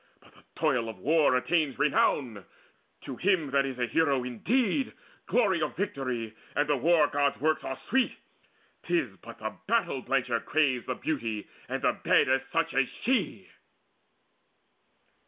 But the toil of war attains Renown. To him that is a hero indeed Glory of victory and the War god's works Are sweet. 'Tis but the battle blencher craves The beauty and the bed of such as she!"